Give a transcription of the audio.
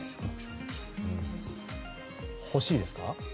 欲しいですか？